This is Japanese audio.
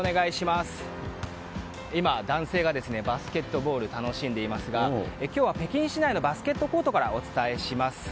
今、男性がバスケットボールを楽しんでいますが今日は北京市内のバスケットコートからお伝えします。